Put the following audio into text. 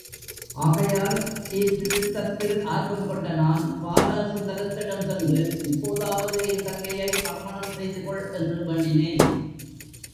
ஆகையால் சீர்திருத்தத்தில் ஆர்வம் கொண்ட நான், பாலசுந்தரத்திடம் சென்று இப்போதாவது என் தங்கையை மறுமணம் செய்துகொள் என்று வேண்டினேன்.